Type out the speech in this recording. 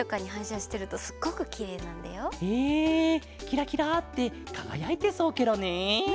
キラキラってかがやいてそうケロね。